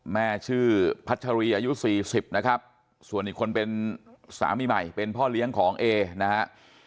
แม่ชื่อพัชรีอายุ๔๐นะครับส่วนอีกคนเป็นสามีใหม่เป็นพ่อเลี้ยงของเอนะฮะ